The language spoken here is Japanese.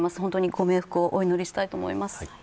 ご冥福をお祈りしたいと思います。